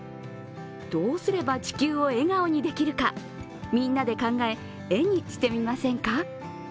どうすれば地球を笑顔にできるか、みんなで考え、絵にしてみませんか？